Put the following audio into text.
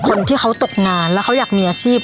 คนที่เขาตกงานแล้วเขาอยากมีอาชีพ